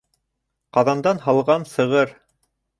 Ҡаҙандан һалған сығыр.